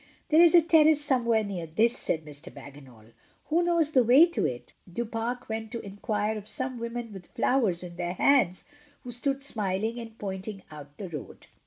"There is a terrace somewhere near this," said Mr. Bagginal. "Who knows the way to it?" And Du Pare went to inquire of some women with flowers in their hands, who stood smiling, and pointing out the road.